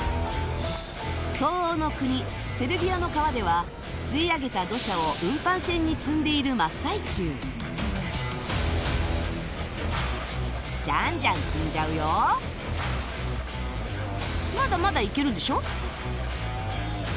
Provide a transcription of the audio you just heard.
東欧の国セルビアの川では吸い上げた土砂を運搬船に積んでいる真っ最中ジャンジャン積んじゃうよまだまだいけるでしょ？